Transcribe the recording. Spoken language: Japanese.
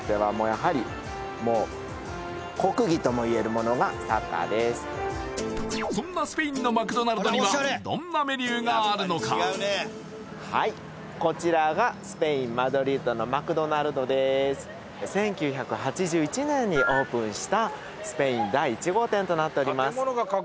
もうやはりそんなスペインのマクドナルドにはどんなメニューがあるのかはいこちらがスペインマドリードのマクドナルドでーす１９８１年にオープンしたスペイン第１号店となっております